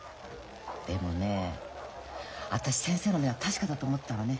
でもね私先生の目は確かだと思ったわね。